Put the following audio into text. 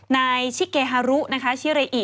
นายชิเกฮารุชิเรอิ